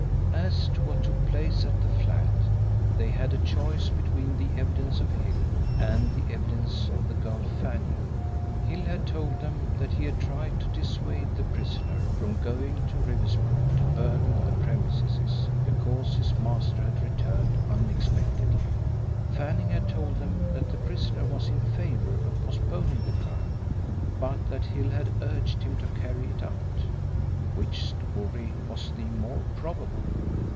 As to what took place at the flat, they had a choice between the evidence of Hill and the evidence of the girl Fanning. Hill had told them that he had tried to dissuade the prisoner from going to Riversbrook to burgle the premises, because his master had returned unexpectedly; Fanning had told them that the prisoner was in favour of postponing the crime, but that Hill had urged him to carry it out. Which story was the more probable?